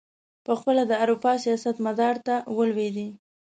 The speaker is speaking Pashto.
پخپله د اروپا سیاست مدار ته ولوېدی.